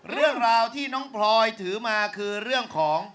เรื่องราวที่น้องพลอยถือมาคือเรื่องของ